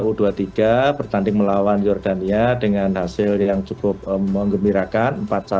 u dua puluh tiga bertanding melawan jordania dengan hasil yang cukup mengembirakan